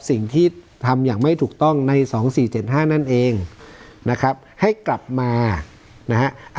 สิ่งที่ทำอย่างไม่ถูกต้องใน๒๔๗๕นั่นเองนะครับให้กลับมานะฮะ